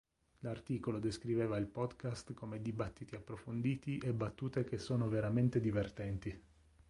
L'articolo descriveva il podcast come "dibattiti approfonditi e battute che sono veramente divertenti".